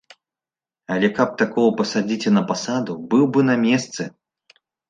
Але каб такога пасадзіць і на пасаду, быў бы на месцы.